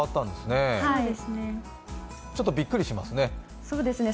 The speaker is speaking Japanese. ちょっとびっくりしますね。